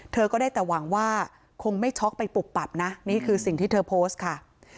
เธอก็ได้แต่หวังว่าคงไม่ช็อกไปปุบปับนะนี่คือสิ่งที่เธอโพสต์ค่ะ